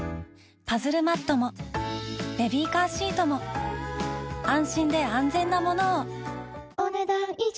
パズルマットもベビーカーシートも安心で安全なものをお、ねだん以上。